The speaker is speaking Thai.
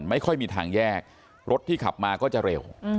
ไม่ค่อยมีทางแยกรถที่ขับมาก็จะเร็ว